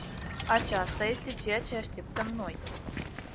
Aceasta este ceea ce așteptăm noi.